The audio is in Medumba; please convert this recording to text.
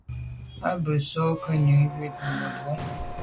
À be z’o kô neghù wut mebwô là.